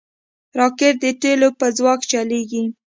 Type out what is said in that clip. راکټ د تیلو په ځواک چلیږي